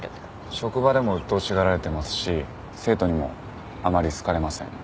職場でもうっとうしがられてますし生徒にもあまり好かれません。